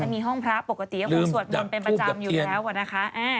มีห้องพระปกติก็คงสวดมนต์เป็นประจำอยู่แล้วนะคะ